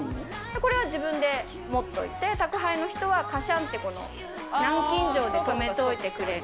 これは自分で持っといて、宅配の人はかしゃんって、この、南京錠で留めといてくれる。